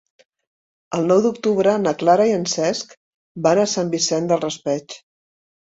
El nou d'octubre na Clara i en Cesc van a Sant Vicent del Raspeig.